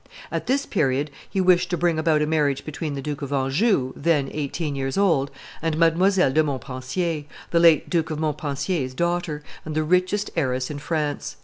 At this period, he wished to bring about a marriage between the Duke of Anjou, then eighteen years old, and Mdlle. de Montpensier, the late Duke of Montpensier's daughter, and the richest heiress in France.